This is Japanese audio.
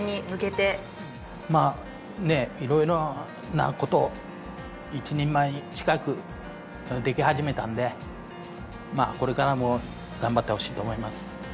まあね色々な事を一人前近くでき始めたんでこれからも頑張ってほしいと思います。